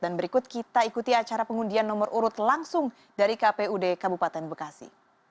dan berikut kita ikuti acara pengundian nomor urut langsung dari kpud kabupaten bekasi